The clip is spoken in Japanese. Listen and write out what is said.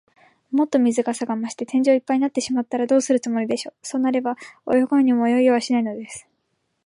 もっと水かさが増して、天井いっぱいになってしまったら、どうするつもりでしょう。そうなれば、泳ごうにも泳げはしないのです。